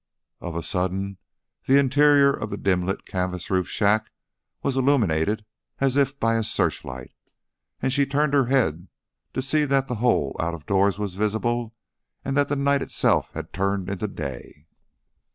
Of a sudden the interior of the dim lit, canvas roofed shack was illuminated as if by a searchlight, and she turned her head to see that the whole out of doors was visible and that the night itself had turned into day.